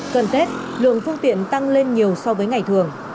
gần tết lượng phương tiện tăng lên nhiều so với ngày thường